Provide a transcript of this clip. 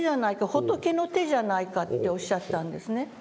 仏の手じゃないか」っておっしゃったんですね。